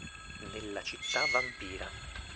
Nella città vampira.